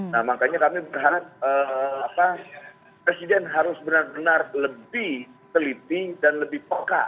nah makanya kami berharap presiden harus benar benar lebih teliti dan lebih peka